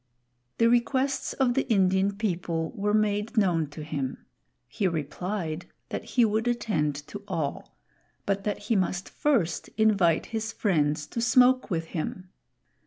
The requests of the Indian people were made known to him; he replied that he would attend to all, but that he must first invite his friends to smoke with him.